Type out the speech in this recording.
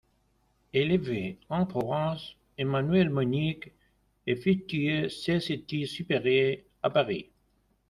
Élevé en province, Emmanuel Monick effectua ses études supérieures à Paris.